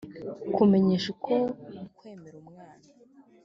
kumenyeshwa uko kwemera umwana